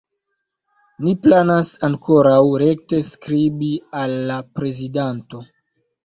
Ni planas ankoraŭ rekte skribi al la prezidanto.